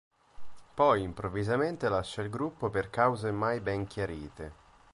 Poi, improvvisamente lascia il gruppo per cause mai ben chiarite.